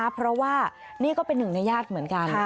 เพราะว่านี่ก็เป็นหนึ่งในญาติเหมือนกัน